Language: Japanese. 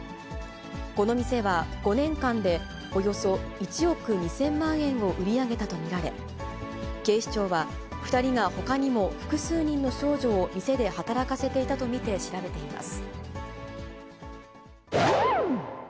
この店は５年間でおよそ１億２０００万円を売り上げたと見られ、警視庁は２人がほかにも複数人の少女を店で働かせていたと見て調べています。